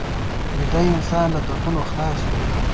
ویده انسان له دردونو خلاص وي